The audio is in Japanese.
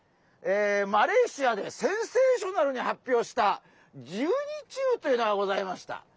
マレーシアでセンセーショナルに発表した十二虫というのがございました。